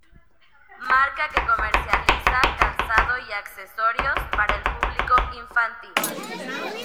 Marca que comercializa calzado y accesorios para el público infantil.